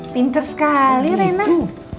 pinter sekali rena